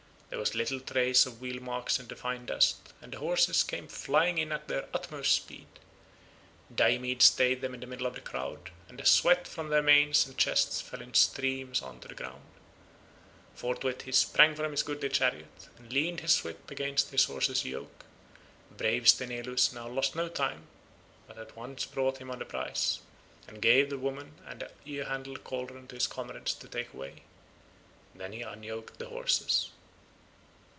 There was little trace of wheel marks in the fine dust, and the horses came flying in at their utmost speed. Diomed stayed them in the middle of the crowd, and the sweat from their manes and chests fell in streams on to the ground. Forthwith he sprang from his goodly chariot, and leaned his whip against his horses' yoke; brave Sthenelus now lost no time, but at once brought on the prize, and gave the woman and the ear handled cauldron to his comrades to take away. Then he unyoked the horses.